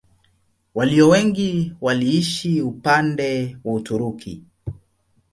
Walio wengi waliishi upande wa Uturuki.